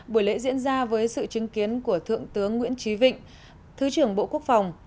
buổi lễ diễn ra với sự chứng kiến của thượng tướng nguyễn trí vịnh thứ trưởng bộ quốc phòng